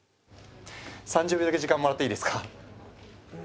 ３０秒だけ時間もらっていいですか？